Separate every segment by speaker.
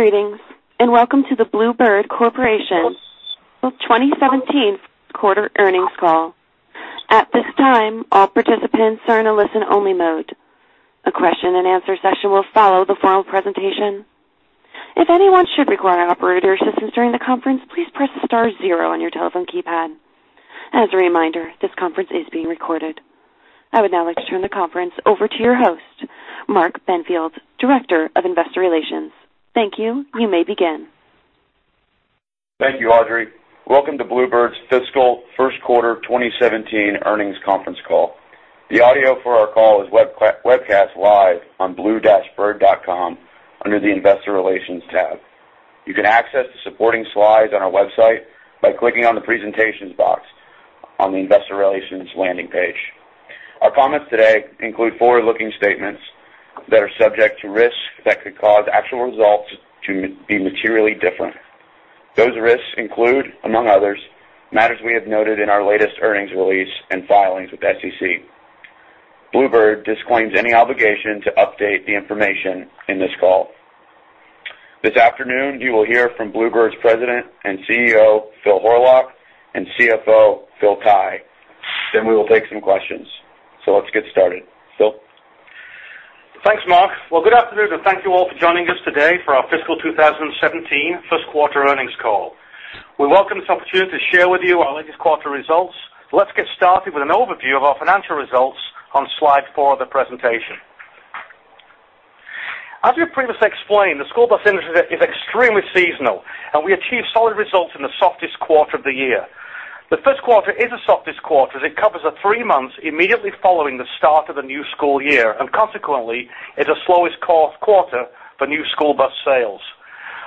Speaker 1: Greetings. Welcome to the Blue Bird Corporation Fiscal 2017 Quarter Earnings Call. At this time, all participants are in a listen-only mode. A question and answer session will follow the formal presentation. If anyone should require operator assistance during the conference, please press star zero on your telephone keypad. As a reminder, this conference is being recorded. I would now like to turn the conference over to your host, Mark Benfield, Director of Investor Relations. Thank you. You may begin.
Speaker 2: Thank you, Audrey. Welcome to Blue Bird's Fiscal First Quarter 2017 Earnings Conference Call. The audio for our call is webcast live on blue-bird.com under the Investor Relations tab. You can access the supporting slides on our website by clicking on the presentations box on the Investor Relations landing page. Our comments today include forward-looking statements that are subject to risks that could cause actual results to be materially different. Those risks include, among others, matters we have noted in our latest earnings release and filings with the SEC. Blue Bird disclaims any obligation to update the information in this call. This afternoon, you will hear from Blue Bird's President and CEO, Phil Horlock, and CFO, Phil Tighe. We will take some questions. Let's get started. Phil?
Speaker 3: Thanks, Mark. Good afternoon. Thank you all for joining us today for our fiscal 2017 first quarter earnings call. We welcome this opportunity to share with you our latest quarter results. Let's get started with an overview of our financial results on slide four of the presentation. As we've previously explained, the school bus industry is extremely seasonal, and we achieved solid results in the softest quarter of the year. The first quarter is the softest quarter as it covers the three months immediately following the start of the new school year, and consequently, is the slowest quarter for new school bus sales.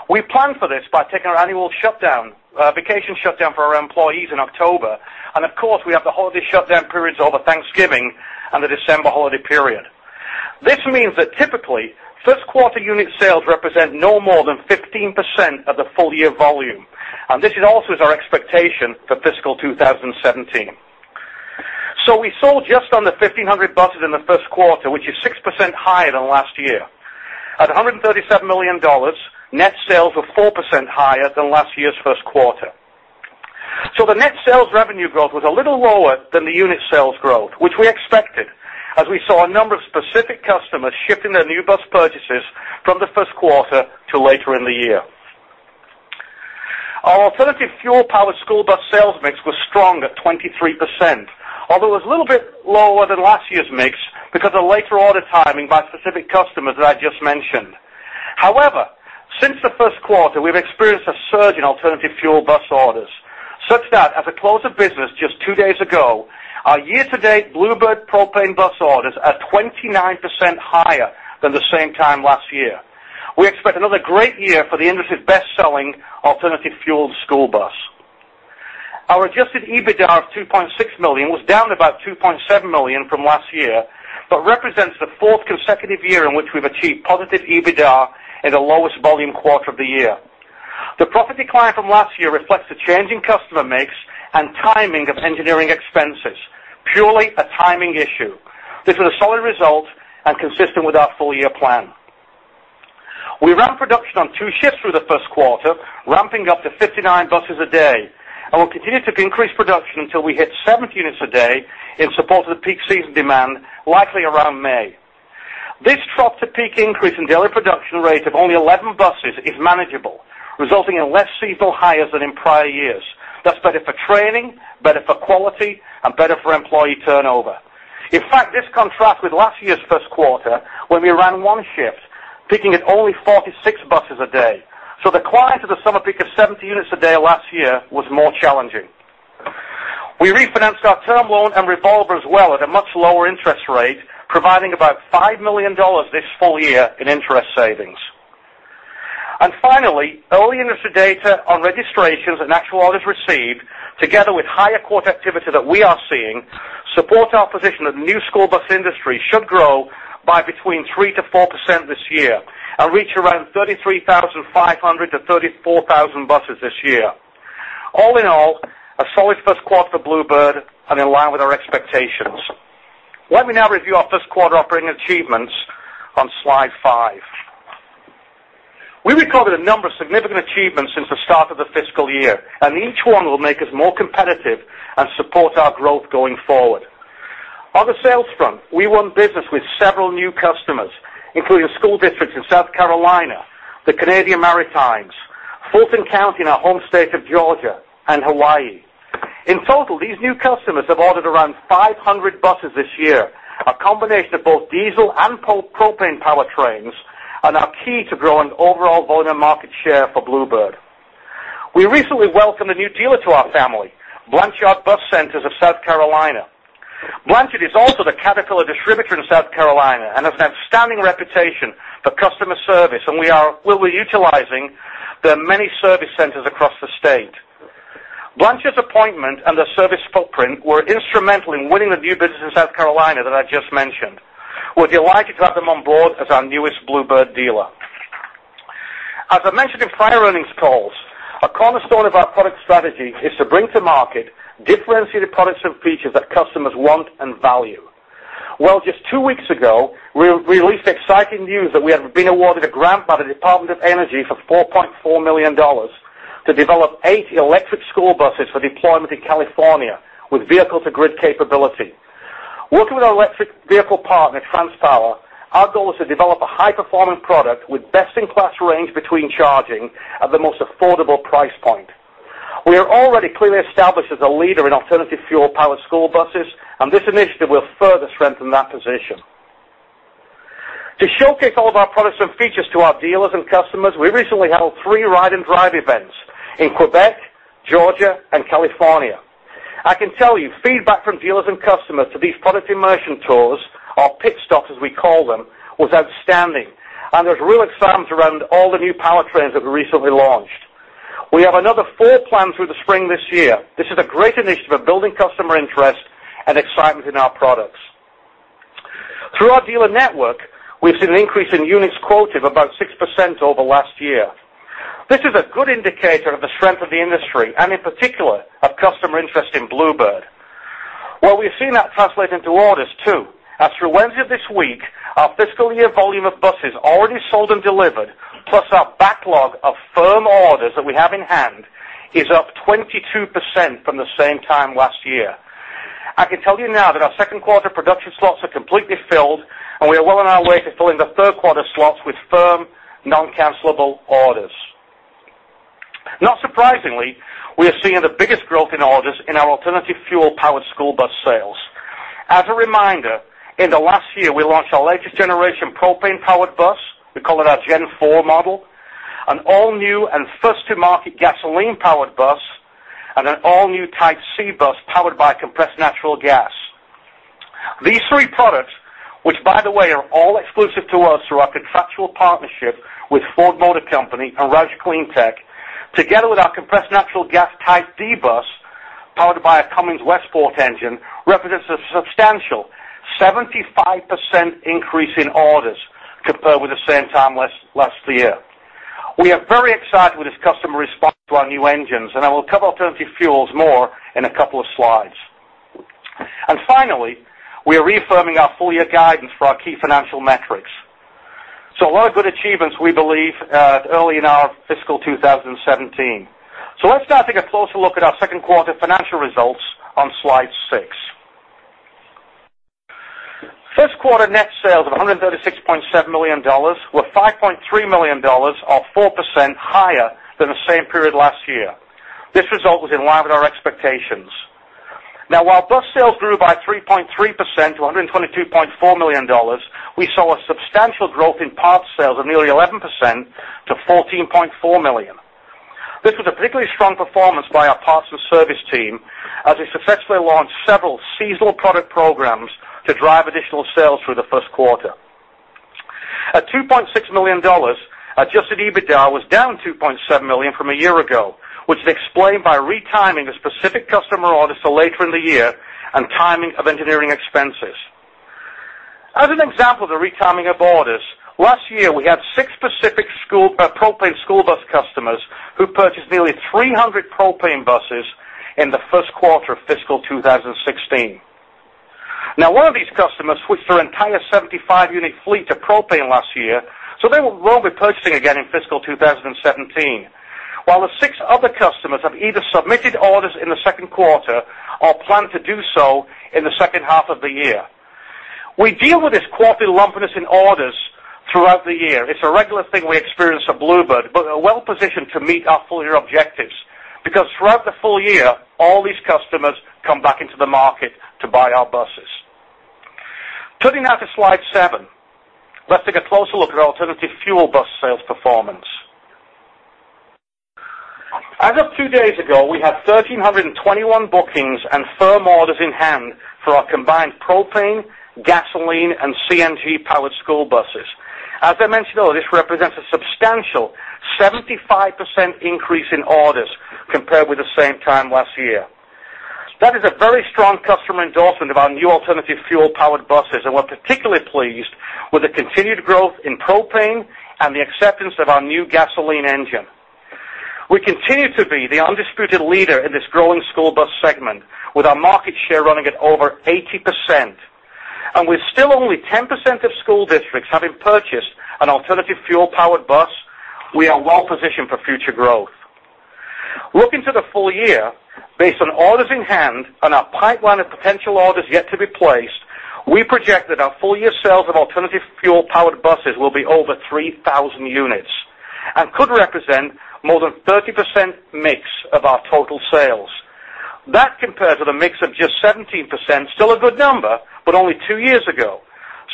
Speaker 3: We plan for this by taking our annual vacation shutdown for our employees in October, and of course, we have the holiday shutdown periods over Thanksgiving and the December holiday period. This means that typically, first quarter unit sales represent no more than 15% of the full year volume, and this is also our expectation for fiscal 2017. We sold just under 1,500 buses in the first quarter, which is 6% higher than last year. At $137 million, net sales were 4% higher than last year's first quarter. The net sales revenue growth was a little lower than the unit sales growth, which we expected as we saw a number of specific customers shifting their new bus purchases from the first quarter to later in the year. Our alternative fuel-powered school bus sales mix was strong at 23%, although it was a little bit lower than last year's mix because of later order timing by specific customers that I just mentioned. However, since the first quarter, we've experienced a surge in alternative fuel bus orders, such that as of close of business just two days ago, our year-to-date Blue Bird propane bus orders are 29% higher than the same time last year. We expect another great year for the industry's best-selling alternative fueled school bus. Our adjusted EBITDA of $2.6 million was down about $2.7 million from last year, but represents the fourth consecutive year in which we've achieved positive EBITDA in the lowest volume quarter of the year. The profit decline from last year reflects the change in customer mix and timing of engineering expenses. Purely a timing issue. This was a solid result and consistent with our full-year plan. We ran production on two shifts through the first quarter, ramping up to 59 buses a day. We will continue to increase production until we hit 70 units a day in support of the peak season demand likely around May. This trough-to-peak increase in daily production rate of only 11 buses is manageable, resulting in less seasonal hires than in prior years. That's better for training, better for quality, and better for employee turnover. In fact, this contrasts with last year's first quarter when we ran one shift, peaking at only 46 buses a day. The climb to the summer peak of 70 units a day last year was more challenging. We refinanced our term loan and revolver as well at a much lower interest rate, providing about $5 million this full year in interest savings. Finally, early industry data on registrations and actual orders received, together with higher quote activity that we are seeing, supports our position that the new school bus industry should grow by between 3%-4% this year and reach around 33,500-34,000 buses this year. All in all, a solid first quarter for Blue Bird and in line with our expectations. Let me now review our first quarter operating achievements on slide five. We recorded a number of significant achievements since the start of the fiscal year. Each one will make us more competitive and support our growth going forward. On the sales front, we won business with several new customers, including a school district in South Carolina, the Canadian Maritimes, Fulton County in our home state of Georgia, and Hawaii. In total, these new customers have ordered around 500 buses this year, a combination of both diesel and propane powertrains. Are key to growing overall volume market share for Blue Bird. We recently welcomed a new dealer to our family, Blanchard Bus Centers of South Carolina. Blanchard is also the Caterpillar distributor in South Carolina and has an outstanding reputation for customer service. We'll be utilizing their many service centers across the state. Blanchard's appointment and their service footprint were instrumental in winning the new business in South Carolina that I just mentioned. We're delighted to have them on board as our newest Blue Bird dealer. As I mentioned in prior earnings calls, a cornerstone of our product strategy is to bring to market differentiated products and features that customers want and value. Just two weeks ago, we released exciting news that we have been awarded a grant by the Department of Energy for $4.4 million to develop eight electric school buses for deployment in California with vehicle-to-grid capability. Working with our electric vehicle partner, TransPower, our goal is to develop a high-performance product with best-in-class range between charging at the most affordable price point. We are already clearly established as a leader in alternative fuel-powered school buses. This initiative will further strengthen that position. To showcase all of our products and features to our dealers and customers, we recently held three ride & drive events in Quebec, Georgia, and California. I can tell you, feedback from dealers and customers to these product immersion tours, or pit stops, as we call them, was outstanding. There's real excitement around all the new powertrains that we recently launched. We have another four planned through the spring this year. This is a great initiative at building customer interest and excitement in our products. Through our dealer network, we've seen an increase in units quoted of about 6% over last year. This is a good indicator of the strength of the industry and, in particular, of customer interest in Blue Bird. We've seen that translate into orders, too, as through Wednesday of this week, our fiscal year volume of buses already sold and delivered, plus our backlog of firm orders that we have in hand, is up 22% from the same time last year. I can tell you now that our second quarter production slots are completely filled. We are well on our way to filling the third quarter slots with firm, non-cancellable orders. Not surprisingly, we are seeing the biggest growth in orders in our alternative fuel-powered school bus sales. As a reminder, in the last year, we launched our latest generation propane-powered bus, we call it our Gen 4 model, an all-new and first-to-market gasoline-powered bus, and an all-new Type C bus powered by compressed natural gas. These three products, which, by the way, are all exclusive to us through our contractual partnership with Ford Motor Company and Roush CleanTech, together with our compressed natural gas Type D bus, powered by a Cummins Westport engine, represents a substantial 75% increase in orders compared with the same time last year. We are very excited with this customer response to our new engines. I will cover alternative fuels more in a couple of slides. Finally, we are reaffirming our full-year guidance for our key financial metrics. A lot of good achievements, we believe, early in our fiscal 2017. Let's now take a closer look at our first quarter financial results on slide six. First quarter net sales of $136.7 million were $5.3 million, or 4%, higher than the same period last year. This result was in line with our expectations. While bus sales grew by 3.3% to $122.4 million, we saw a substantial growth in parts sales of nearly 11% to $14.4 million. This was a particularly strong performance by our parts and service team as they successfully launched several seasonal product programs to drive additional sales through the first quarter. At $2.6 million, adjusted EBITDA was down $2.7 million from a year ago, which is explained by retiming a specific customer order to later in the year and timing of engineering expenses. As an example of the retiming of orders, last year, we had six specific propane school bus customers who purchased nearly 300 propane buses in the first quarter of fiscal 2016. One of these customers switched their entire 75-unit fleet to propane last year, so they won't be purchasing again in fiscal 2017. The six other customers have either submitted orders in the second quarter or plan to do so in the second half of the year. We deal with this quarterly lumpiness in orders throughout the year. It's a regular thing we experience at Blue Bird, but are well-positioned to meet our full-year objectives because throughout the full year, all these customers come back into the market to buy our buses. Turning now to slide seven, let's take a closer look at alternative fuel bus sales performance. As of two days ago, we have 1,321 bookings and firm orders in hand for our combined propane, gasoline, and CNG-powered school buses. As I mentioned earlier, this represents a substantial 75% increase in orders compared with the same time last year. That is a very strong customer endorsement of our new alternative fuel-powered buses, and we're particularly pleased with the continued growth in propane and the acceptance of our new gasoline engine. We continue to be the undisputed leader in this growing school bus segment, with our market share running at over 80%. With still only 10% of school districts having purchased an alternative fuel-powered bus, we are well positioned for future growth. Looking to the full year, based on orders in hand and our pipeline of potential orders yet to be placed, we project that our full-year sales of alternative fuel-powered buses will be over 3,000 units and could represent more than 30% mix of our total sales. That compares with a mix of just 17%, still a good number, but only two years ago.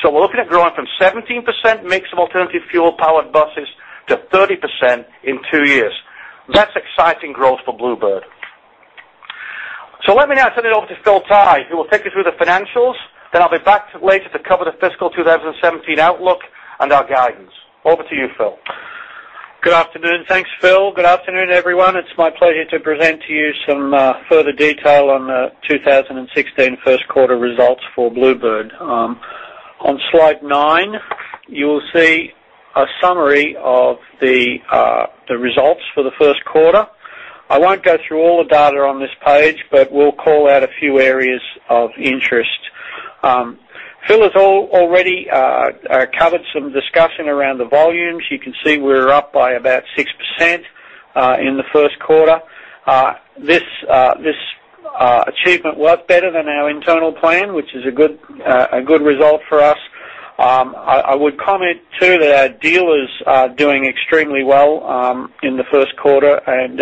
Speaker 3: We're looking at growing from 17% mix of alternative fuel-powered buses to 30% in two years. That's exciting growth for Blue Bird. Let me now send it over to Phil Tighe, who will take you through the financials. I'll be back later to cover the fiscal 2017 outlook and our guidance. Over to you, Phil.
Speaker 4: Good afternoon. Thanks, Phil. Good afternoon, everyone. It's my pleasure to present to you some further detail on the 2017 first quarter results for Blue Bird. On slide nine, you will see a summary of the results for the first quarter. I won't go through all the data on this page, but we'll call out a few areas of interest. Phil has already covered some discussion around the volumes. You can see we're up by about 6% in the first quarter. This achievement worked better than our internal plan, which is a good result for us. I would comment, too, that our dealers are doing extremely well in the first quarter, and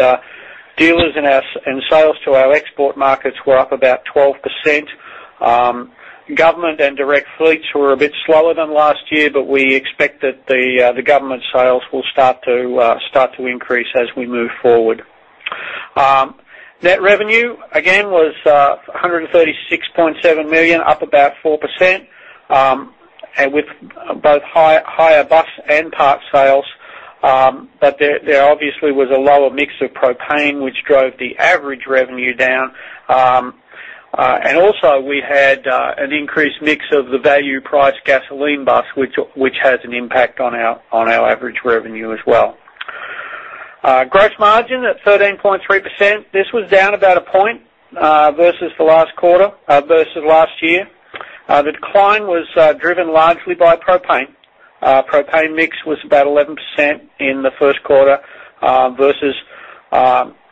Speaker 4: dealers and sales to our export markets were up about 12%. Government and direct fleets were a bit slower than last year, but we expect that the government sales will start to increase as we move forward. Net revenue, again, was $136.7 million, up about 4%, with both higher bus and parts sales. There obviously was a lower mix of propane, which drove the average revenue down. Also, we had an increased mix of the value price gasoline bus, which has an impact on our average revenue as well. Gross margin at 13.3%. This was down about a point versus last year. The decline was driven largely by propane. Propane mix was about 11% in the first quarter versus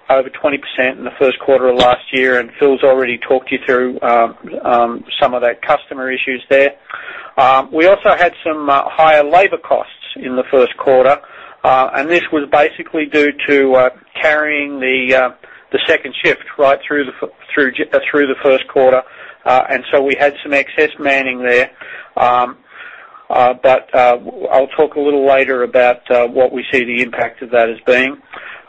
Speaker 4: over 20% in the first quarter of last year, Phil's already talked you through some of that customer issues there. We also had some higher labor costs in the first quarter, this was basically due to carrying the second shift right through the first quarter. So we had some excess manning there. I'll talk a little later about what we see the impact of that as being.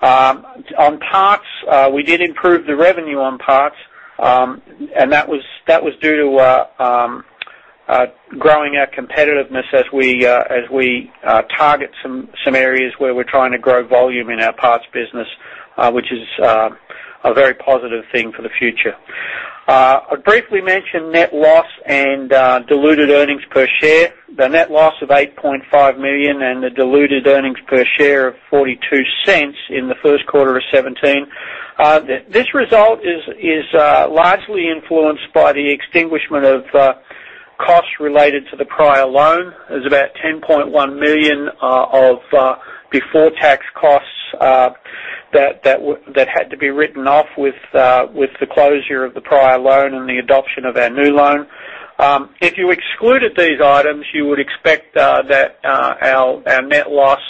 Speaker 4: On parts, we did improve the revenue on parts, that was due to growing our competitiveness as we target some areas where we're trying to grow volume in our parts business, which is a very positive thing for the future. I'll briefly mention net loss and diluted earnings per share. The net loss of $8.5 million and the diluted earnings per share of $0.42 in the first quarter of 2017. This result is largely influenced by the extinguishment of costs related to the prior loan. There's about $10.1 million of before-tax costs that had to be written off with the closure of the prior loan and the adoption of our new loan. If you excluded these items, you would expect that our net loss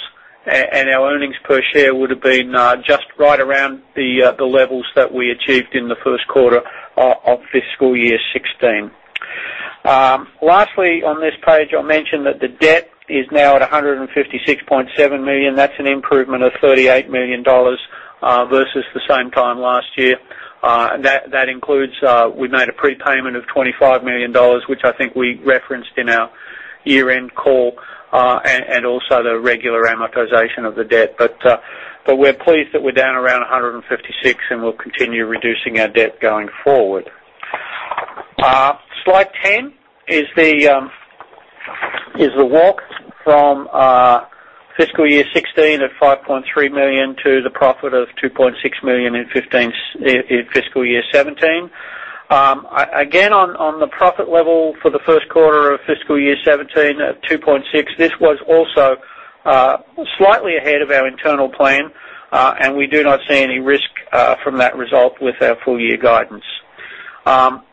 Speaker 4: and our earnings per share would have been just right around the levels that we achieved in the first quarter of fiscal year 2016. Lastly, on this page, I'll mention that the debt is now at $156.7 million. That's an improvement of $38 million versus the same time last year. That includes, we made a prepayment of $25 million, which I think we referenced in our year-end call, also the regular amortization of the debt. We're pleased that we're down around $156 million, we'll continue reducing our debt going forward. Slide 10 is the walk from fiscal year 2016 at $5.3 million to the profit of $2.6 million in fiscal year 2017. Again, on the profit level for the first quarter of fiscal year 2017 at $2.6 million, this was also slightly ahead of our internal plan, we do not see any risk from that result with our full-year guidance.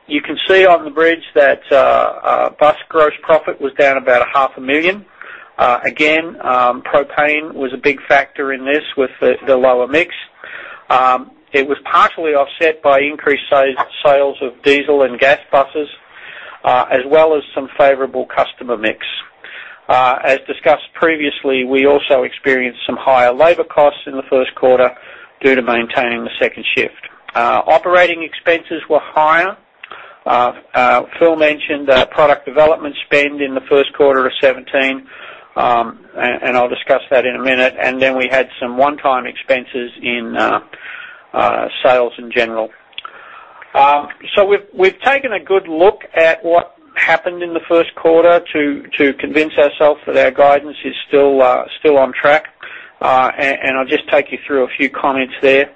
Speaker 4: You can see on the bridge that bus gross profit was down about a half a million. Again, propane was a big factor in this with the lower mix. It was partially offset by increased sales of diesel and gas buses, as well as some favorable customer mix. As discussed previously, we also experienced some higher labor costs in the first quarter due to maintaining the second shift. Operating expenses were higher. Phil mentioned product development spend in the first quarter of 2017, I'll discuss that in a minute. Then we had some one-time expenses in sales in general. We've taken a good look at what happened in the first quarter to convince ourselves that our guidance is still on track. I'll just take you through a few comments there.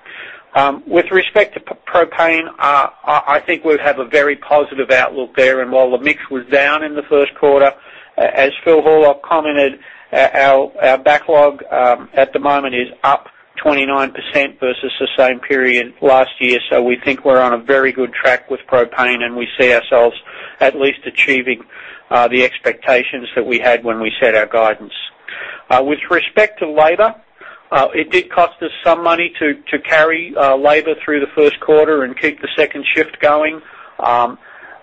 Speaker 4: With respect to propane, I think we have a very positive outlook there. While the mix was down in the first quarter, as Phil Horlock commented, our backlog at the moment is up 29% versus the same period last year. We think we're on a very good track with propane, and we see ourselves at least achieving the expectations that we had when we set our guidance. With respect to labor, it did cost us some money to carry labor through the first quarter and keep the second shift going.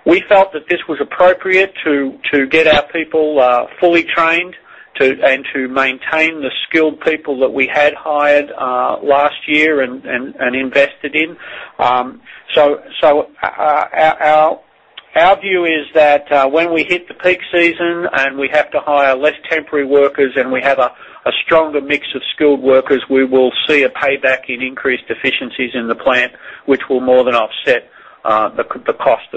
Speaker 4: We felt that this was appropriate to get our people fully trained and to maintain the skilled people that we had hired last year and invested in. Our view is that when we hit the peak season and we have to hire less temporary workers and we have a stronger mix of skilled workers, we will see a payback in increased efficiencies in the plant, which will more than offset the cost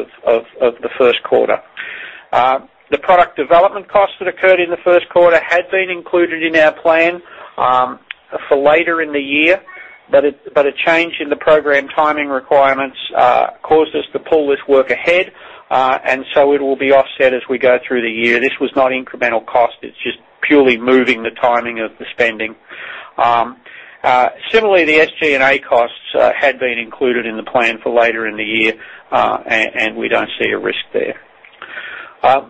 Speaker 4: of the first quarter. The product development costs that occurred in the first quarter had been included in our plan for later in the year. A change in the program timing requirements caused us to pull this work ahead, and so it will be offset as we go through the year. This was not incremental cost. It's just purely moving the timing of the spending. Similarly, the SG&A costs had been included in the plan for later in the year, and we don't see a risk there.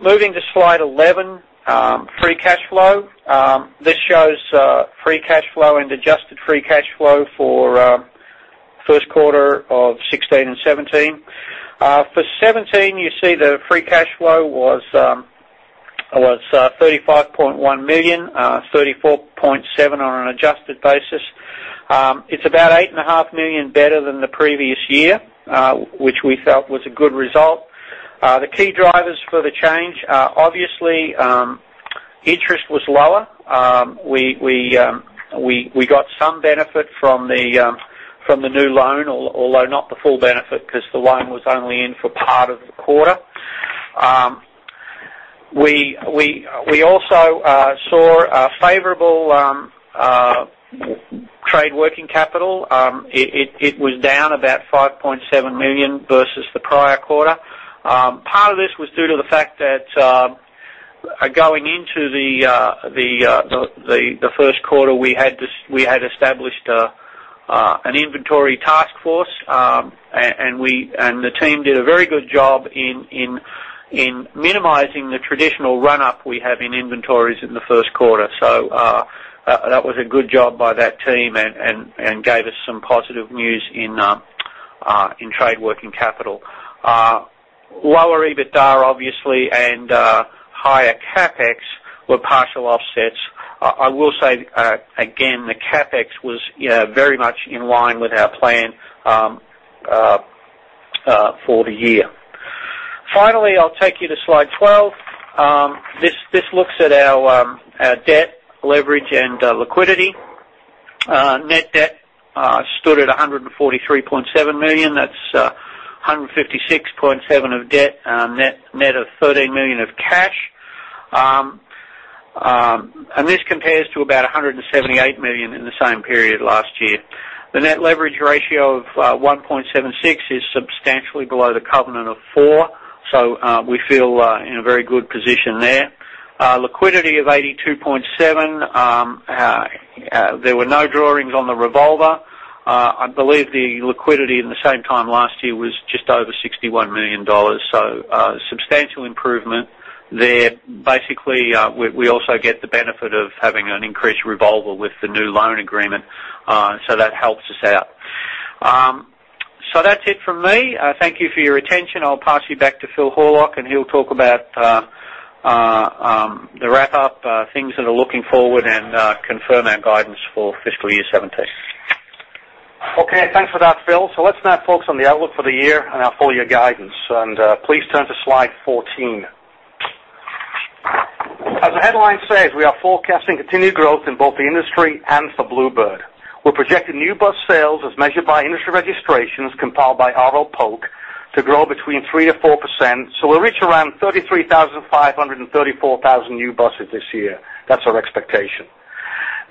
Speaker 4: Moving to slide 11, free cash flow. This shows free cash flow and adjusted free cash flow for first quarter of 2016 and 2017. For 2017, you see the free cash flow was $35.1 million, $34.7 on an adjusted basis. It's about $8.5 million better than the previous year, which we felt was a good result. The key drivers for the change, obviously, interest was lower. We got some benefit from the new loan, although not the full benefit because the loan was only in for part of the quarter. We also saw a favorable trade working capital. It was down about $5.7 million versus the prior quarter. Part of this was due to the fact that going into the first quarter, we had established an inventory task force. The team did a very good job in minimizing the traditional run-up we have in inventories in the first quarter. That was a good job by that team and gave us some positive news in trade working capital. Lower EBITDA, obviously, and higher CapEx were partial offsets. I will say, again, the CapEx was very much in line with our plan for the year. Finally, I'll take you to slide 12. This looks at our debt leverage and liquidity. Net debt stood at $143.7 million. That's $156.7 million of debt, net of $13 million of cash. This compares to about $178 million in the same period last year. The net leverage ratio of 1.76 is substantially below the covenant of four, we feel in a very good position there. Liquidity of $82.7 million. There were no drawings on the revolver. I believe the liquidity in the same time last year was just over $61 million. Substantial improvement there. We also get the benefit of having an increased revolver with the new loan agreement. That helps us out. That's it from me. Thank you for your attention. I'll pass you back to Phil Horlock, and he'll talk about the wrap-up, things that are looking forward, and confirm our guidance for fiscal year 2017.
Speaker 3: Thanks for that, Phil. Let's now focus on the outlook for the year and our full-year guidance. Please turn to slide 14. As the headline says, we are forecasting continued growth in both the industry and for Blue Bird. We're projecting new bus sales as measured by industry registrations compiled by R.L. Polk to grow between 3%-4%. We'll reach around 33,500 and 34,000 new buses this year. That's our expectation.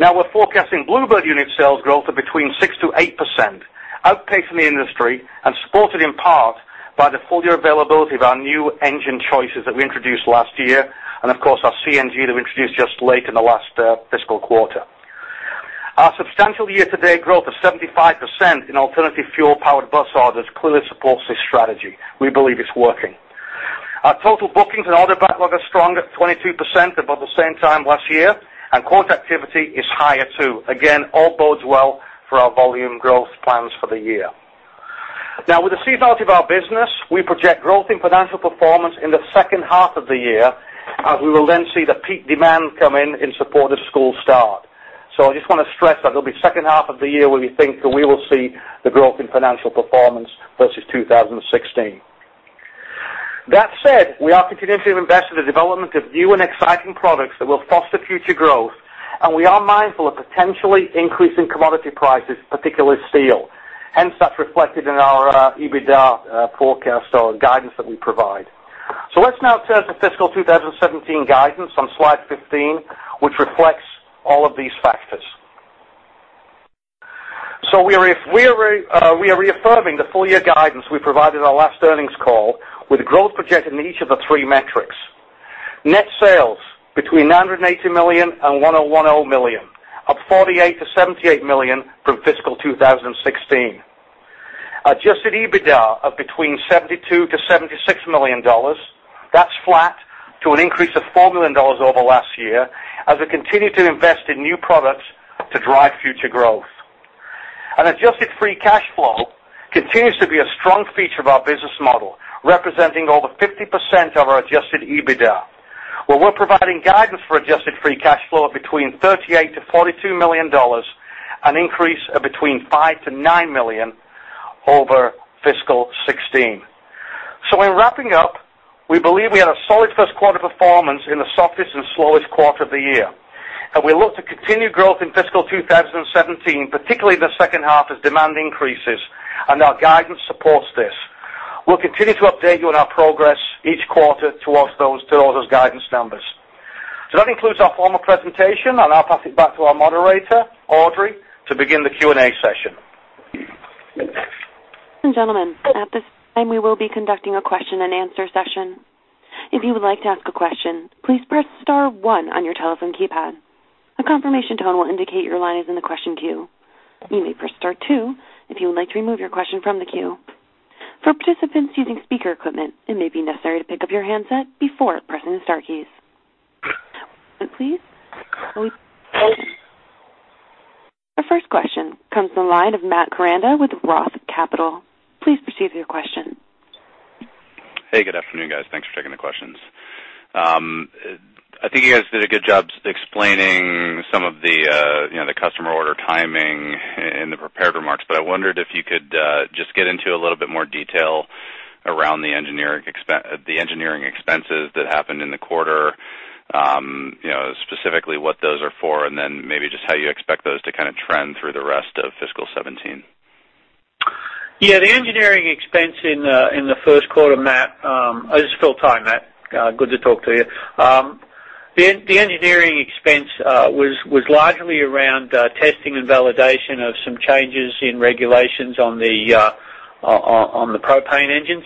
Speaker 3: We're forecasting Blue Bird unit sales growth of between 6%-8%, outpacing the industry and supported in part by the full year availability of our new engine choices that we introduced last year and, of course, our CNG that we introduced just late in the last fiscal quarter. Our substantial year-to-date growth of 75% in alternative fuel powered bus orders clearly supports this strategy. We believe it's working. Our total bookings and order backlog are strong at 22% above the same time last year, and quote activity is higher, too. All bodes well for our volume growth plans for the year. With the seasonality of our business, we project growth in financial performance in the second half of the year as we will then see the peak demand come in in support of school start. I just want to stress that it'll be second half of the year where we think that we will see the growth in financial performance versus 2016. That said, we are continuing to invest in the development of new and exciting products that will foster future growth, and we are mindful of potentially increasing commodity prices, particularly steel. Hence, that's reflected in our EBITDA forecast or guidance that we provide. Let's now turn to fiscal 2017 guidance on slide 15, which reflects all of these factors. We are reaffirming the full year guidance we provided in our last earnings call with growth projected in each of the three metrics. Net sales between $980 million and $1.01 billion, up $48 million-$78 million from fiscal 2016. Adjusted EBITDA of between $72 million-$76 million. That's flat to an increase of $4 million over last year as we continue to invest in new products to drive future growth. Adjusted free cash flow continues to be a strong feature of our business model, representing over 50% of our adjusted EBITDA. We're providing guidance for adjusted free cash flow of between $38 million-$42 million, an increase of between $5 million-$9 million over fiscal 2016. In wrapping up, we believe we had a solid first quarter performance in the softest and slowest quarter of the year. We look to continue growth in fiscal 2017, particularly the second half, as demand increases, our guidance supports this. We will continue to update you on our progress each quarter towards those guidance numbers. That concludes our formal presentation. I will now pass it back to our moderator, Audrey, to begin the Q&A session.
Speaker 1: Ladies and gentlemen, at this time, we will be conducting a question and answer session. If you would like to ask a question, please press star one on your telephone keypad. A confirmation tone will indicate your line is in the question queue. You may press star two if you would like to remove your question from the queue. For participants using speaker equipment, it may be necessary to pick up your handset before pressing the star keys. One moment please. Our first question comes from the line of Matt Koranda with Roth Capital. Please proceed with your question.
Speaker 5: Hey, good afternoon, guys. Thanks for taking the questions. I think you guys did a good job explaining some of the customer order timing in the prepared remarks, but I wondered if you could just get into a little bit more detail around the engineering expenses that happened in the quarter. Specifically, what those are for, then maybe just how you expect those to trend through the rest of fiscal 2017.
Speaker 4: The engineering expense in the first quarter, Matt. This is Phil Tighe, Matt. Good to talk to you. The engineering expense was largely around testing and validation of some changes in regulations on the propane engines.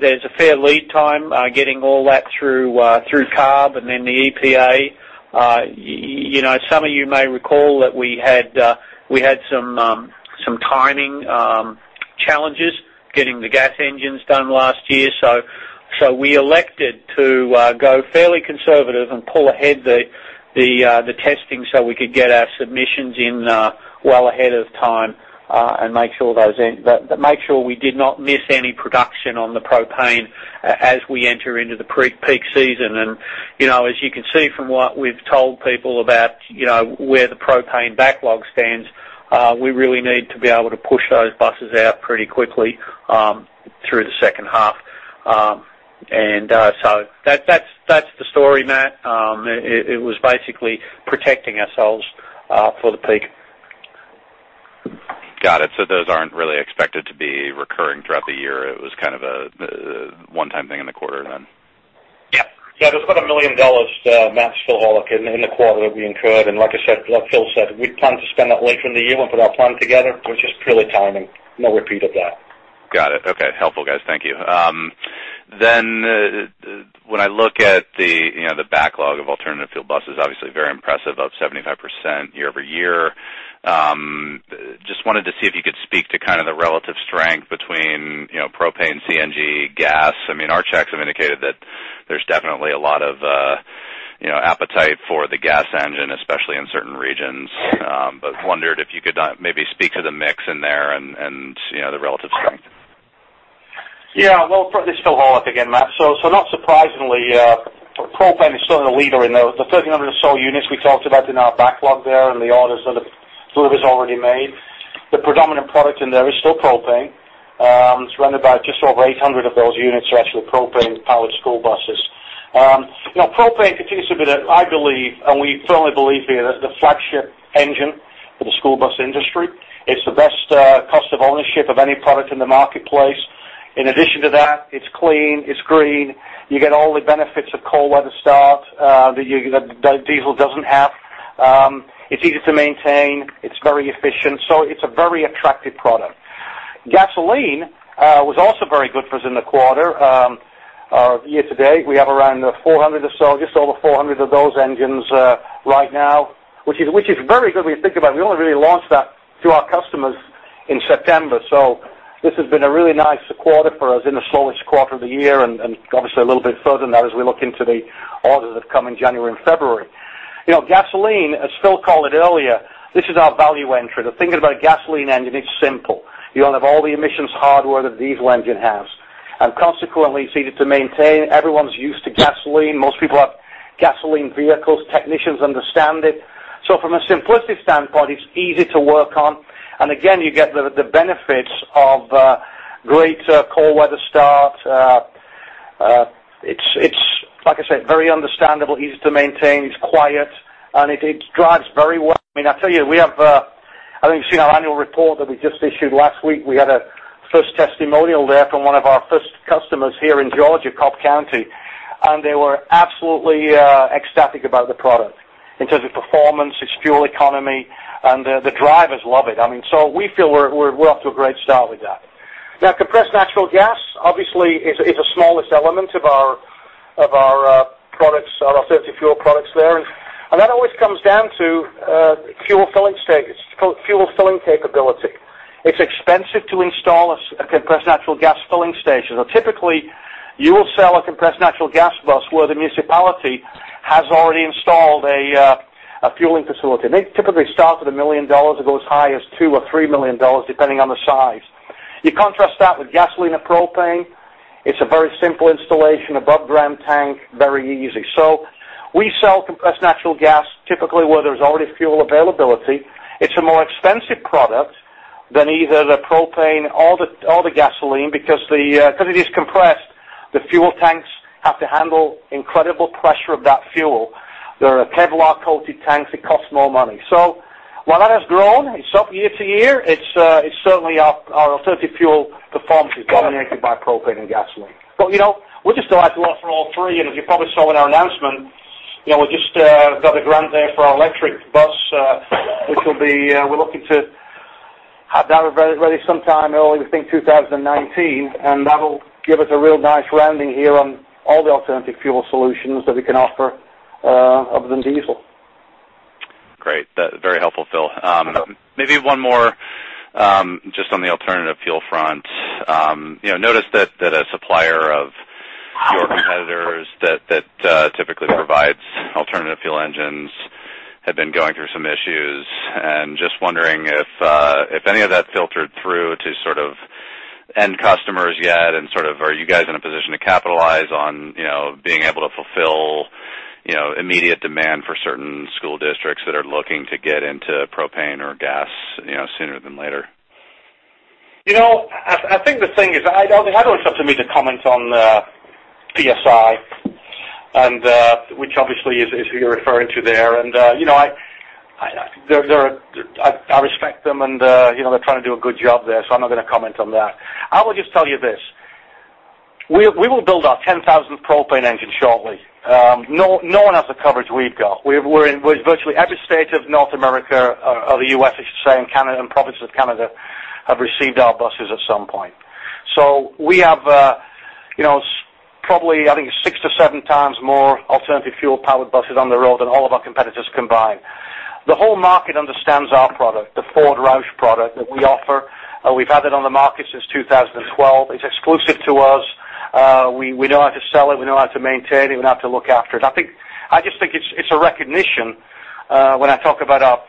Speaker 4: There is a fair lead time getting all that through CARB and then the EPA. Some of you may recall that we had some timing challenges getting the gas engines done last year. We elected to go fairly conservative and pull ahead the testing so we could get our submissions in well ahead of time, make sure we did not miss any production on the propane as we enter into the peak season. As you can see from what we have told people about where the propane backlog stands, we really need to be able to push those buses out pretty quickly through the second half. That is the story, Matt. It was basically protecting ourselves for the peak.
Speaker 5: Got it. Those aren't really expected to be recurring throughout the year. It was a one-time thing in the quarter, then?
Speaker 4: Yeah.
Speaker 3: Yeah, it was about $1 million, Matt. It's Phil Horlock, in the quarter that we incurred. Like Phil said, we plan to spend that later in the year when put our plan together, which is purely timing. No repeat of that.
Speaker 5: Got it. Okay. Helpful, guys. Thank you. When I look at the backlog of alternative fuel buses, obviously very impressive, up 75% year-over-year. Just wanted to see if you could speak to the relative strength between propane, CNG, gas. Our checks have indicated that there's definitely a lot of appetite for the gas engine, especially in certain regions. Wondered if you could maybe speak to the mix in there and the relative strength.
Speaker 3: Yeah. Well, this is Phil Horlock again, Matt. Not surprisingly, propane is still the leader in the 1,300 or so units we talked about in our backlog there and the orders that Blue Bird's already made. The predominant product in there is still propane. It's around about just over 800 of those units are actually propane-powered school buses. Propane continues to be, I believe, and we firmly believe here, the flagship engine for the school bus industry. It's the best cost of ownership of any product in the marketplace. In addition to that, it's clean, it's green. You get all the benefits of cold weather start that diesel doesn't have. It's easy to maintain. It's very efficient. It's a very attractive product. Gasoline was also very good for us in the quarter. Year to date, we have just over 400 of those engines right now, which is very good when you think about it. We only really launched that to our customers in September. This has been a really nice quarter for us in the slowest quarter of the year, and obviously a little bit further than that as we look into the orders that come in January and February. Gasoline, as Phil called it earlier, this is our value entry. The thing about a gasoline engine, it's simple. You don't have all the emissions hardware that a diesel engine has, and consequently, it's easy to maintain. Everyone's used to gasoline. Most people have gasoline vehicles. Technicians understand it. From a simplistic standpoint, it's easy to work on. And again, you get the benefits of great cold weather start. It's, like I said, very understandable, easy to maintain, it's quiet, and it drives very well. I'll tell you, I think you've seen our annual report that we just issued last week. We had a first testimonial there from one of our first customers here in Georgia, Cobb County, and they were absolutely ecstatic about the product in terms of performance, its fuel economy, and the drivers love it. So we feel we're off to a great start with that. Now, compressed natural gas obviously is the smallest element of our alternative fuel products there, and that always comes down to fuel filling capability. It's expensive to install a compressed natural gas filling station. Now, typically, you will sell a compressed natural gas bus where the municipality has already installed a fueling facility. And they typically start at $1 million. It goes high as $2 million or $3 million, depending on the size. You contrast that with gasoline and propane, it's a very simple installation. Above-ground tank, very easy. So we sell compressed natural gas typically where there's already fuel availability. It's a more expensive product The fuel tanks have to handle incredible pressure of that fuel. They are Kevlar-coated tanks. They cost more money. While that has grown, it's up year-to-year, certainly our alternative fuel performance is dominated by propane and gasoline. We're just delighted to offer all three, and as you probably saw in our announcement, we just got a grant there for our electric bus, which we're looking to have that ready sometime early, we think, 2019. That'll give us a real nice rounding here on all the alternative fuel solutions that we can offer other than diesel.
Speaker 5: Great. Very helpful, Phil. Maybe one more just on the alternative fuel front. Noticed that a supplier of your competitors that typically provides alternative fuel engines had been going through some issues, just wondering if any of that filtered through to end customers yet, are you guys in a position to capitalize on being able to fulfill immediate demand for certain school districts that are looking to get into propane or gas sooner than later?
Speaker 3: I think the thing is, I don't accept it's up to me to comment on PSI, which obviously is who you're referring to there. I respect them, and they're trying to do a good job there, I'm not going to comment on that. I will just tell you this. We will build our 10,000th propane engine shortly. No one has the coverage we've got. We're in virtually every state of North America, or the U.S., I should say, and Canada, and provinces of Canada have received our buses at some point. We have probably, I think, six to seven times more alternative fuel-powered buses on the road than all of our competitors combined. The whole market understands our product, the Ford Roush product that we offer. We've had it on the market since 2012. It's exclusive to us. We know how to sell it. We know how to maintain it. We know how to look after it. I just think it's a recognition when I talk about our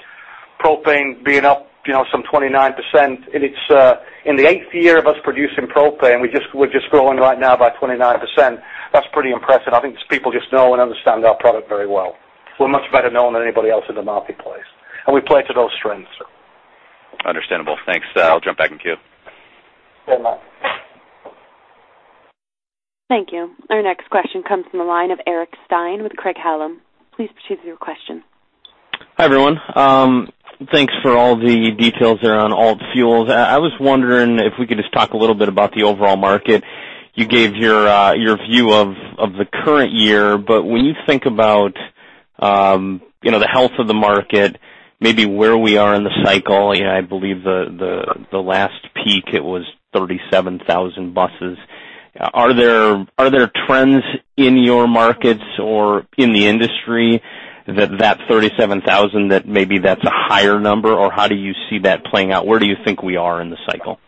Speaker 3: propane being up some 29%, in the eighth year of us producing propane, we're just growing right now by 29%. That's pretty impressive. I think people just know and understand our product very well. We're much better known than anybody else in the marketplace, we play to those strengths.
Speaker 5: Understandable. Thanks. I'll jump back in queue.
Speaker 3: Yeah, Matt.
Speaker 1: Thank you. Our next question comes from the line of Eric Stine with Craig-Hallum. Please proceed with your question.
Speaker 6: Hi, everyone. Thanks for all the details there on alt fuels. I was wondering if we could just talk a little bit about the overall market. You gave your view of the current year, but when you think about the health of the market, maybe where we are in the cycle, I believe the last peak, it was 37,000 buses. Are there trends in your markets or in the industry that 37,000, that maybe that's a higher number, or how do you see that playing out? Where do you think we are in the cycle?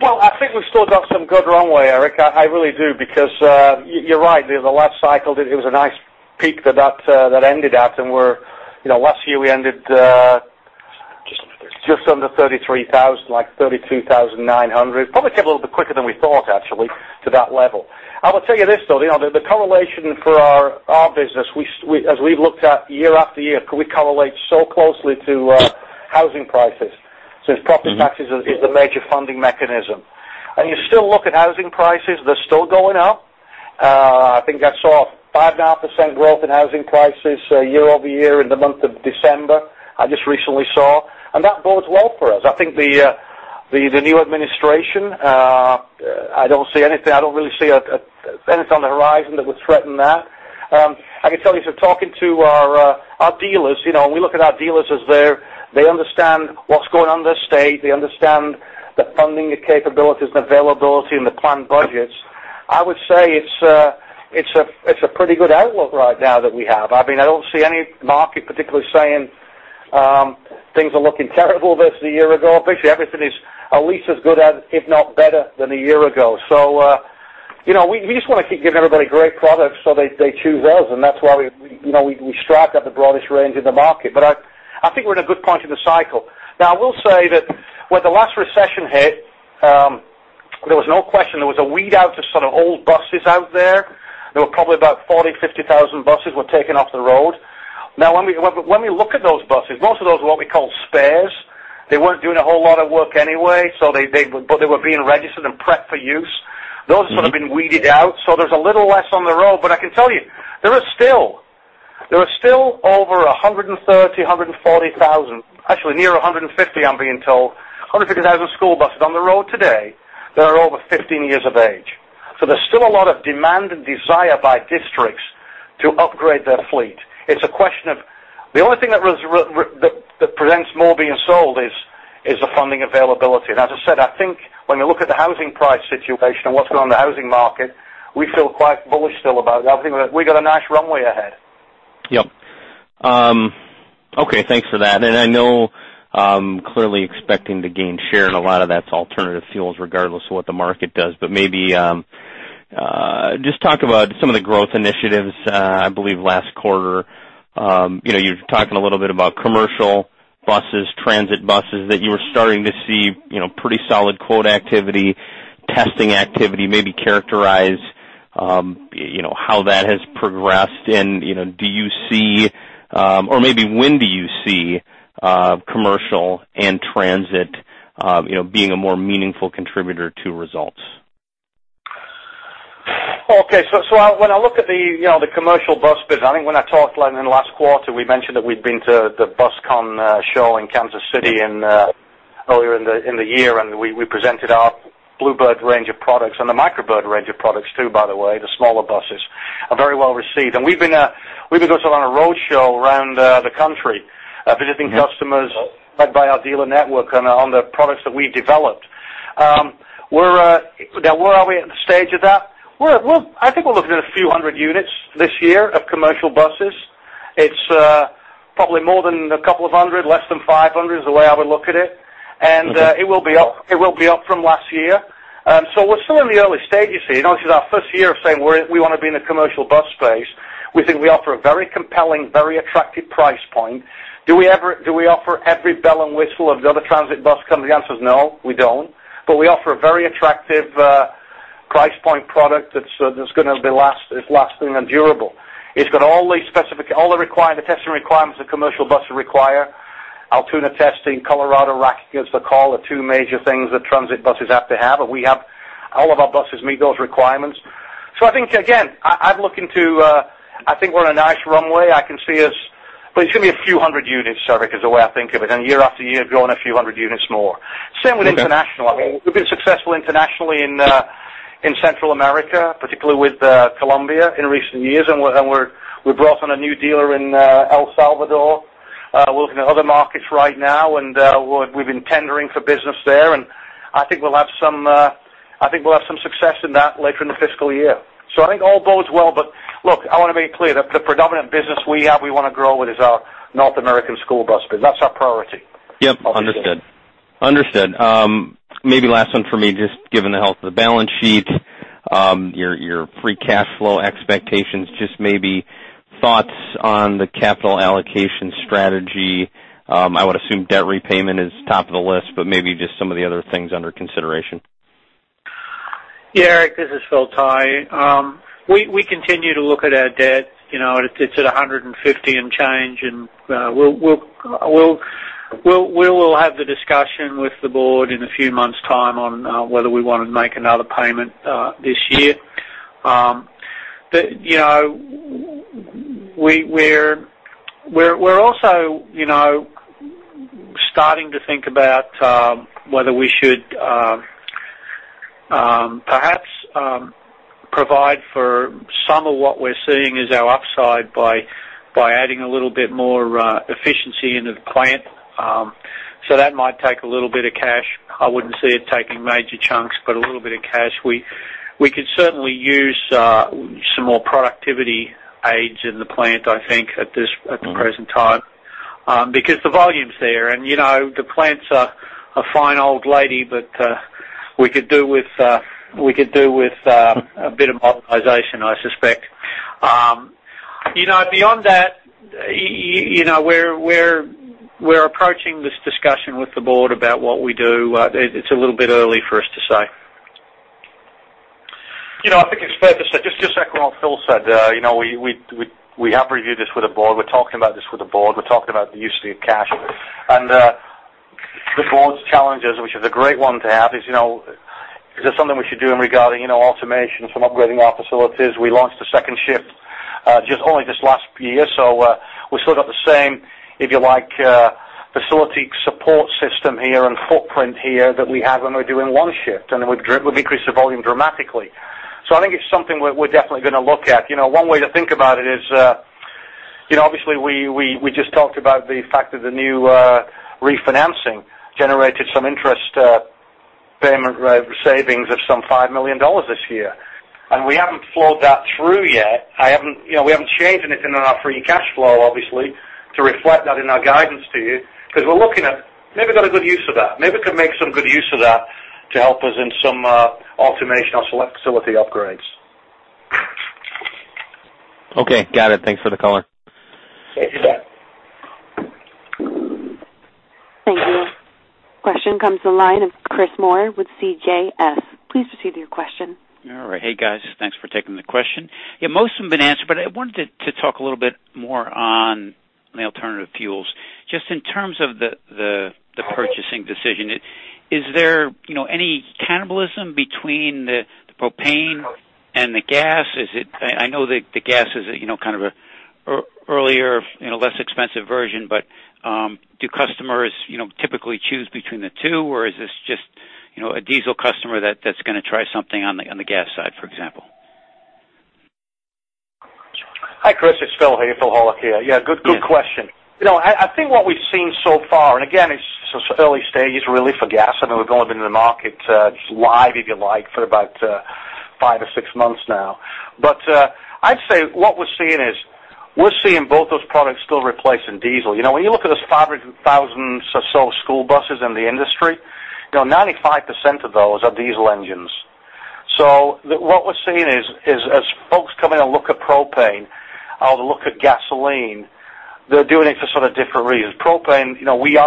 Speaker 3: Well, I think we've still got some good runway, Eric. I really do because you're right. The last cycle, it was a nice peak that ended up, and last year we. Just under 30. just under 33,000, like 32,900. Probably came a little bit quicker than we thought, actually, to that level. I will tell you this, though. The correlation for our business, as we've looked at year after year, we correlate so closely to housing prices since property tax is the major funding mechanism. You still look at housing prices, they're still going up. I think I saw 5.5% growth in housing prices year-over-year in the month of December, I just recently saw. That bodes well for us. I think the new administration, I don't really see anything on the horizon that would threaten that. I can tell you, Talking to our dealers, we look at our dealers as they understand what's going on in their state. They understand the funding capabilities and availability and the planned budgets. I would say it's a pretty good outlook right now that we have. I don't see any market particularly saying things are looking terrible versus a year ago. Basically, everything is at least as good as, if not better than a year ago. We just want to keep giving everybody great products so they choose us, and that's why we strive to have the broadest range in the market. I think we're at a good point in the cycle. Now, I will say that when the last recession hit, there was no question there was a weed out of sort of old buses out there. There were probably about 40,000, 50,000 buses were taken off the road. Now, when we look at those buses, most of those were what we call spares. They weren't doing a whole lot of work anyway, but they were being registered and prepped for use. Those would've been weeded out, so there's a little less on the road. I can tell you, there are still over 130,000, 140,000, actually near 150,000, I'm being told, 150,000 school buses on the road today that are over 15 years of age. There's still a lot of demand and desire by districts to upgrade their fleet. The only thing that prevents more being sold is the funding availability. As I said, I think when you look at the housing price situation and what's going on in the housing market, we feel quite bullish still about it. I think that we've got a nice runway ahead.
Speaker 6: Yep. Okay, thanks for that. I know, clearly expecting to gain share and a lot of that's alternative fuels regardless of what the market does. Maybe just talk about some of the growth initiatives. I believe last quarter, you were talking a little bit about commercial buses, transit buses, that you were starting to see pretty solid quote activity, testing activity, maybe characterize how that has progressed and do you see, or maybe when do you see, commercial and transit being a more meaningful contributor to results?
Speaker 3: Okay. When I look at the commercial bus business, I think when I talked in the last quarter, we mentioned that we'd been to the BusCon show in Kansas City earlier in the year, and we presented our Blue Bird range of products and the Micro Bird range of products too, by the way. The smaller buses are very well received. We've been also on a road show around the country, visiting customers led by our dealer network on the products that we've developed. Where are we at the stage of that? I think we're looking at a few hundred units this year of commercial buses. It's probably more than a couple of hundred, less than 500 is the way I would look at it. It will be up from last year. We're still in the early stages here. This is our first year of saying we want to be in the commercial bus space. We think we offer a very compelling, very attractive price point. Do we offer every bell and whistle of the other transit bus companies? The answer is no, we don't. We offer a very attractive price point product that's going to be lasting and durable. It's got all the testing requirements the commercial buses require. Altoona testing, Colorado Rack Test are two major things that transit buses have to have, and all of our buses meet those requirements. I think, again, I think we're on a nice runway. I can see us, but it's going to be a few hundred units, Eric, is the way I think of it. Year after year, growing a few hundred units more. Same with international.
Speaker 6: Okay.
Speaker 3: We've been successful internationally in Central America, particularly with Colombia in recent years, and we brought on a new dealer in El Salvador. We're looking at other markets right now, and we've been tendering for business there, and I think we'll have some success in that later in the fiscal year. I think all bodes well. Look, I want to be clear. The predominant business we have, we want to grow with is our North American school bus business. That's our priority.
Speaker 6: Yep, understood. Maybe last one for me, just given the health of the balance sheet, your free cash flow expectations, just maybe thoughts on the capital allocation strategy. I would assume debt repayment is top of the list, but maybe just some of the other things under consideration.
Speaker 4: Yeah, Eric, this is Phil Tighe. We continue to look at our debt. It's at $150 and change, and we will have the discussion with the board in a few months' time on whether we want to make another payment this year. We're also starting to think about whether we should perhaps provide for some of what we're seeing as our upside by adding a little bit more efficiency into the plant. That might take a little bit of cash. I wouldn't see it taking major chunks, but a little bit of cash. We could certainly use some more productivity aids in the plant, I think, at the present time because the volume's there. The plant's a fine old lady, but we could do with a bit of modernization, I suspect. Beyond that, we're approaching this discussion with the board about what we do. It's a little bit early for us to say.
Speaker 3: I think it's fair to say, just to second what Phil said, we have reviewed this with the board. We're talking about this with the board. We're talking about the use of the cash. The board's challenges, which is a great one to have, is: Is there something we should do regarding automation from upgrading our facilities? We launched a second shift only this last year, so we still got the same, if you like, facility support system here and footprint here that we had when we were doing one shift, and we've increased the volume dramatically. I think it's something we're definitely going to look at. One way to think about it is, obviously, we just talked about the fact that the new refinancing generated some interest payment savings of some $5 million this year. We haven't flowed that through yet. We haven't shaved anything on our free cash flow, obviously, to reflect that in our guidance to you because we're looking at maybe got a good use of that. Maybe we could make some good use of that to help us in some automation or facility upgrades.
Speaker 6: Okay, got it. Thanks for the color.
Speaker 3: Thank you.
Speaker 4: Thank you.
Speaker 1: Question comes to the line of Chris Moore with CJS. Please proceed with your question.
Speaker 7: All right. Hey, guys, thanks for taking the question. Yeah, most have been answered, but I wanted to talk a little bit more on the alternative fuels. Just in terms of the purchasing decision, is there any cannibalism between the propane and the gas? I know the gas is kind of an earlier, less expensive version, but do customers typically choose between the two, or is this just a diesel customer that's going to try something on the gas side, for example?
Speaker 3: Hi, Chris. It's Phil here. Phil Horlock here. Yeah, good question. I think what we've seen so far, and again, it's early stages really for gas. We've only been in the market, just live, if you like, for about five or six months now. I'd say what we're seeing is we're seeing both those products still replacing diesel. When you look at this 500,000 or so school buses in the industry, 95% of those are diesel engines. What we're seeing is as folks come in and look at propane or look at gasoline, they're doing it for sort of different reasons. Propane,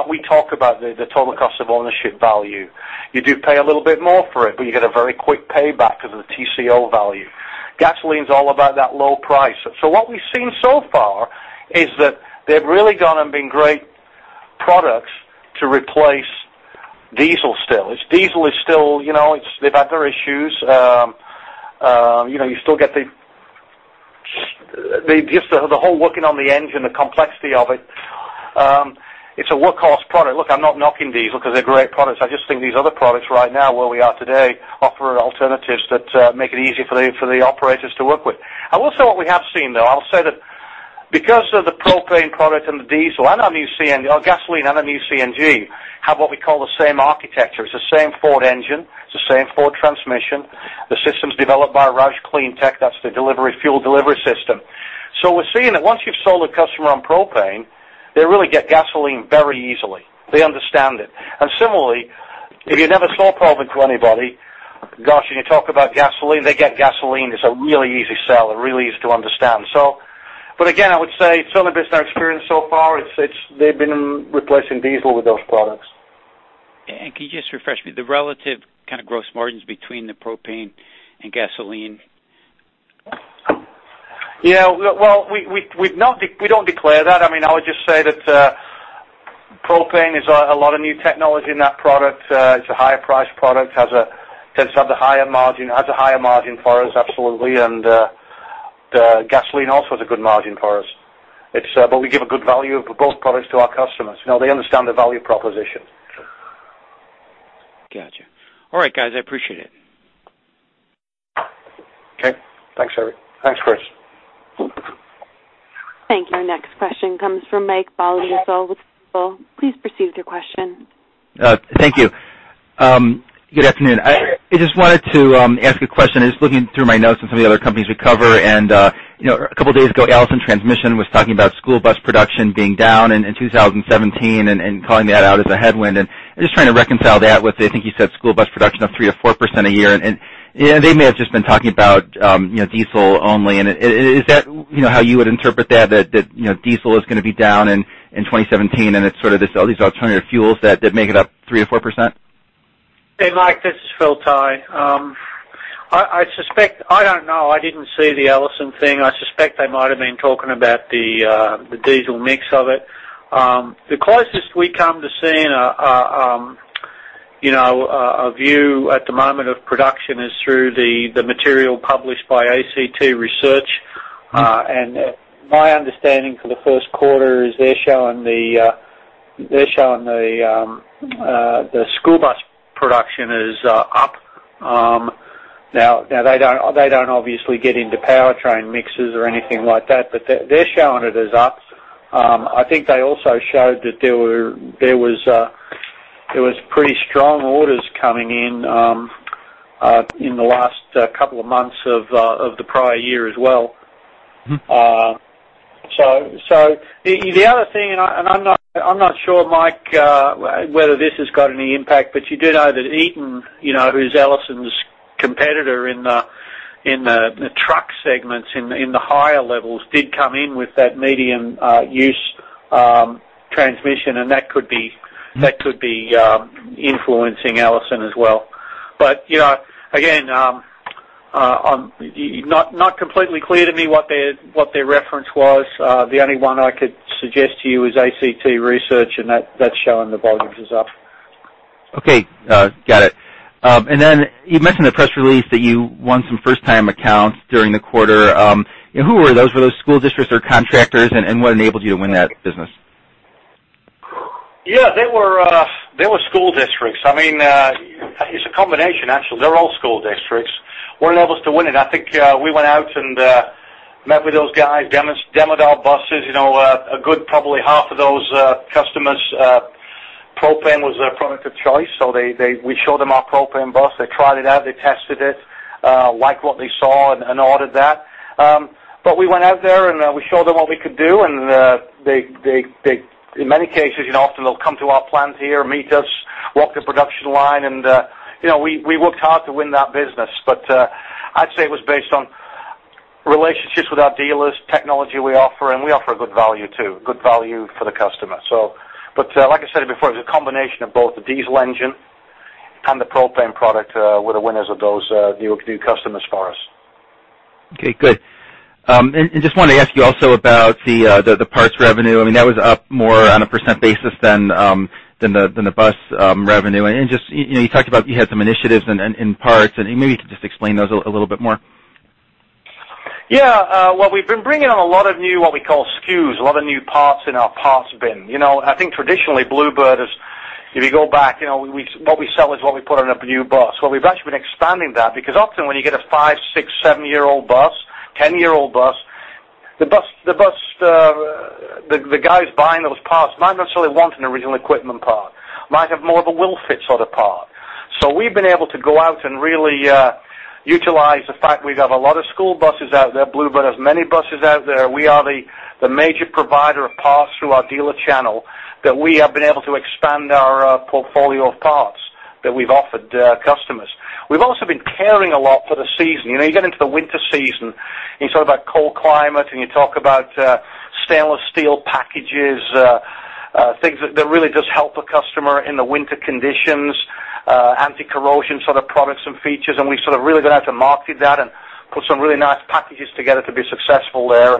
Speaker 3: we talk about the total cost of ownership value. You do pay a little bit more for it, but you get a very quick payback because of the TCO value. Gasoline's all about that low price. What we've seen so far is that they've really gone and been great products to replace diesel still. Diesel, they've had their issues. You still get the whole working on the engine, the complexity of it. It's a workhorse product. Look, I'm not knocking diesel because they're great products. I just think these other products right now, where we are today, offer alternatives that make it easy for the operators to work with. What we have seen, though, I'll say that because of the propane product and the diesel and our gasoline and our new CNG, have what we call the same architecture. It's the same Ford engine, it's the same Ford transmission. The system's developed by Roush CleanTech, that's the fuel delivery system. We're seeing that once you've sold a customer on propane, they really get gasoline very easily. They understand it. Similarly, if you never sold propane to anybody, gosh, and you talk about gasoline, they get gasoline. It's a really easy sell. Really easy to understand. Again, I would say it's only been our experience so far, they've been replacing diesel with those products.
Speaker 7: Can you just refresh me, the relative kind of gross margins between the propane and gasoline?
Speaker 3: Yeah. Well, we don't declare that. I would just say that propane, there's a lot of new technology in that product. It's a higher priced product, has a higher margin for us, absolutely. The gasoline also is a good margin for us. We give a good value of both products to our customers. They understand the value proposition.
Speaker 7: Got you. All right, guys, I appreciate it.
Speaker 3: Okay, thanks, Eric. Thanks, Chris.
Speaker 1: Thank you. Next question comes from Mike Shlisky with Seaport Global Securities. Please proceed with your question.
Speaker 8: Thank you. Good afternoon. I just wanted to ask a question. I was looking through my notes on some of the other companies we cover, and a couple of days ago, Allison Transmission was talking about school bus production being down in 2017 and calling that out as a headwind, and I'm just trying to reconcile that with, I think you said school bus production up 3% or 4% a year. They may have just been talking about diesel only. Is that how you would interpret that? That diesel is going to be down in 2017, and it's sort of these alternative fuels that make it up 3% or 4%?
Speaker 4: Hey, Mike, this is Phil Tighe. I don't know. I didn't see the Allison Transmission thing. I suspect they might have been talking about the diesel mix of it. The closest we come to seeing a view at the moment of production is through the material published by ACT Research. My understanding for the first quarter is they're showing the school bus production is up. Now, they don't obviously get into powertrain mixes or anything like that, but they're showing it as up. I think they also showed that there was pretty strong orders coming in in the last couple of months of the prior year as well.
Speaker 3: The other thing, and I'm not sure, Mike, whether this has got any impact, but you do know that Eaton, who's Allison Transmission's competitor in the truck segments in the higher levels, did come in with that medium use transmission, and that could be influencing Allison Transmission as well. Again, not completely clear to me what their reference was. The only one I could suggest to you is ACT Research, that's showing the volumes as up.
Speaker 8: Okay, got it. Then you mentioned in the press release that you won some first-time accounts during the quarter. Who were those? Were those school districts or contractors, and what enabled you to win that business?
Speaker 3: Yeah, they were school districts. It's a combination, actually. They're all school districts. What enabled us to win it, I think, we went out and met with those guys, demo'd our buses. A good probably half of those customers, propane was their product of choice. We showed them our propane bus. They tried it out, they tested it, liked what they saw, and ordered that. We went out there, and we showed them what we could do, and in many cases, often they'll come to our plant here, meet us, walk the production line, and we worked hard to win that business. I'd say it was based on relationships with our dealers, technology we offer, and we offer a good value, too. Good value for the customer. Like I said before, it's a combination of both the diesel engine and the propane product were the winners of those new customers for us.
Speaker 8: Okay, good. Just wanted to ask you also about the parts revenue. That was up more on a % basis than the bus revenue. You talked about you had some initiatives in parts, and maybe you could just explain those a little bit more.
Speaker 3: Yeah. We've been bringing on a lot of new, what we call SKUs, a lot of new parts in our parts bin. I think traditionally, Blue Bird is, if you go back, what we sell is what we put on a new bus. We've actually been expanding that because often when you get a 5, 6, 7-year-old bus, 10-year-old bus, the guys buying those parts might not necessarily want an original equipment part, might have more of a will-fit sort of part. We've been able to go out and really utilize the fact we have a lot of school buses out there. Blue Bird has many buses out there. We are the major provider of parts through our dealer channel that we have been able to expand our portfolio of parts that we've offered customers. We've also been carrying a lot for the season. You get into the winter season, and you talk about cold climate, and you talk about stainless steel packages, things that really just help a customer in the winter conditions, anti-corrosion sort of products and features, we've sort of really gone out to market that and put some really nice packages together to be successful there.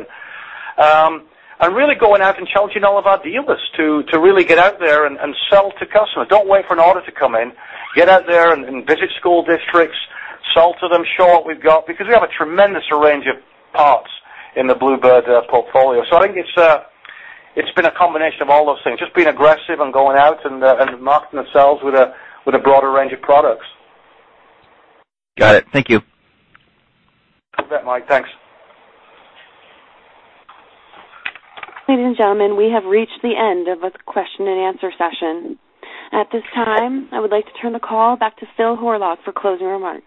Speaker 3: Really going out and challenging all of our dealers to really get out there and sell to customers. Don't wait for an order to come in. Get out there and visit school districts, sell to them, show what we've got, because we have a tremendous range of parts in the Blue Bird portfolio. I think it's been a combination of all those things, just being aggressive and going out and marketing ourselves with a broader range of products.
Speaker 8: Got it. Thank you.
Speaker 3: You bet, Mike. Thanks.
Speaker 1: Ladies and gentlemen, we have reached the end of the question and answer session. At this time, I would like to turn the call back to Phil Horlock for closing remarks.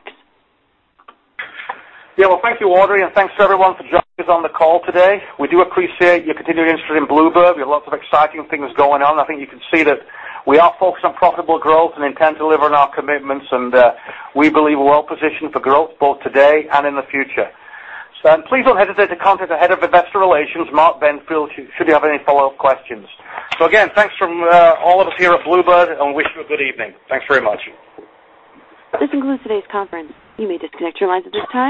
Speaker 3: Yeah. Well, thank you, Audrey, and thanks to everyone for joining us on the call today. We do appreciate your continuing interest in Blue Bird. We have lots of exciting things going on. I think you can see that we are focused on profitable growth and intend to deliver on our commitments, and we believe we're well-positioned for growth both today and in the future. Please don't hesitate to contact the head of investor relations, Mark Benfield, should you have any follow-up questions. Again, thanks from all of us here at Blue Bird, and we wish you a good evening. Thanks very much.
Speaker 1: This concludes today's conference. You may disconnect your lines at this time.